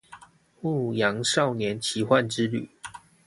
牧羊少年奇幻之旅